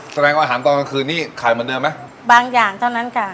แสดงว่าอาหารตอนกลางคืนนี่ขายเหมือนเดิมไหมบางอย่างเท่านั้นค่ะ